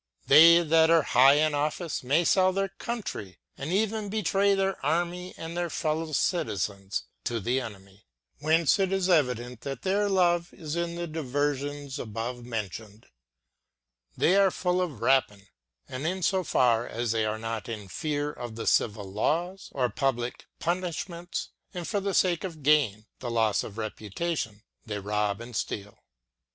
They that are high in office may sell their country, and even betray their array and their fellow citizens to the enemy. Whence it is evident what their love is in the diversions above mentioned. These are full of rapine ; and in so far as they are not in fear of the civil laws, or public punishments, and, for the sake of gain, the loss of reputation, they rob and steal.